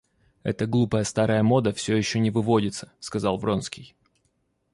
Эта глупая старая мода всё еще не выводится, — сказал Вронский.